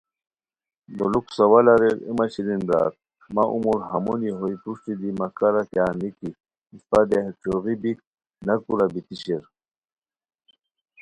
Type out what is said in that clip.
دولوک سوال اریر ائے مہ شیرین برار! مہ عمر ہمونی ہوئے پروشٹی دی مہ کارہ کیاغ نِکی اسپہ دیہہ ݯھوغی بیک نہ کورہ بیتی شیر